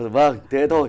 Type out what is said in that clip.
vâng thế thôi